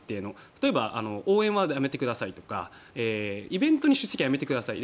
例えば応援はやめてくださいとかイベントに出席はやめてください